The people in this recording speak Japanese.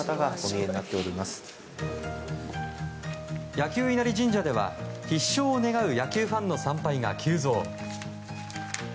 箭弓稲荷神社では必勝を願う野球ファンの参拝が急増。